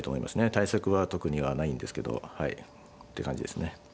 対策は特にはないんですけどはいって感じですね。